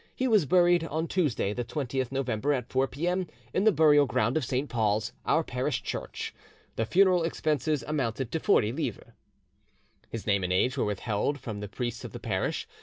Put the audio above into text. He was buried on Tuesday the 20th November at 4 P.M. in the burial ground of St. Paul's, our parish church. The funeral expenses amounted to 40 livres." His name and age were withheld from the priests of the parish.